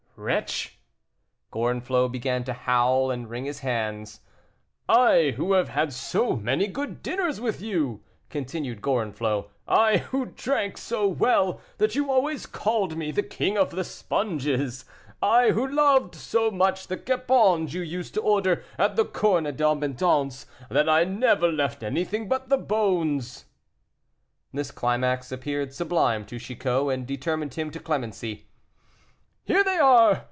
"Wretch!" Gorenflot began to howl and wring his hands. "I, who have had so many good dinners with you," continued Gorenflot; "I, who drank so well, that you always called me the king of the sponges; I, who loved so much the capons you used to order at the Corne d'Abondance, that I never left anything but the bones." This climax appeared sublime to Chicot, and determined him to clemency. "Here they are!